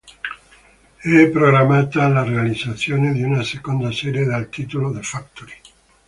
È programmata la realizzazione di una seconda serie dal titolo "The Factory".